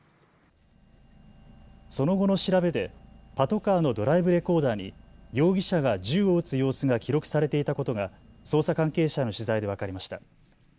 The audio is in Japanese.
その後の調べでパトカーのドライブレコーダーに容疑者が銃を撃つ様子が記録されていたことが捜査関係者への取材で分かりました。